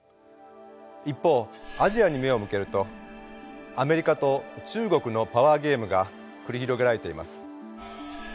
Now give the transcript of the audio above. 一方アジアに目を向けるとアメリカと中国のパワーゲームが繰り広げられています。